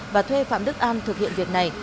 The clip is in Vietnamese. và thuê phạm đức an thực hiện việc này